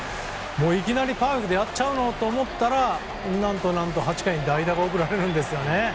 いきなりパーフェクトやっちゃうのと思ったら何と８回に代打が送られるんですよね。